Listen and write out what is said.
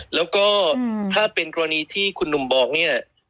แล้วก็ถ้าเป็นกรณีที่คุณหนุ่มบอกเนี่ย